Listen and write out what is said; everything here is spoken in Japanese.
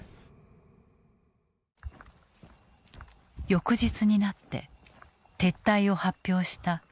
翌日になって撤退を発表したロシア軍。